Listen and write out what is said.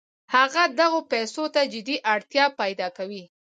هغه دغو پیسو ته جدي اړتیا پیدا کوي